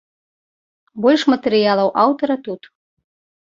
Больш матэрыялаў аўтара тут.